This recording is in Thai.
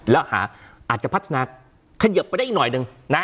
แล้วอาจจะพัฒนาเขยิบไปได้อีกหน่อยหนึ่งนะ